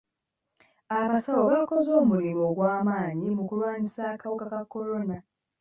Abasawo bakoze omulimu ogw'amaanyi mu kulwanyisa akawuka ka kolona.